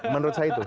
menurut saya itu